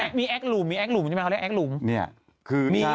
นี่ไงมีแอคลุมมีแอคลุมใช่ไหมเขาเรียกแอคลุมเนี่ยคือใช่